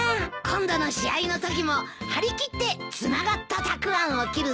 今度の試合のときも張り切ってつながったたくあんを切るそうだよ。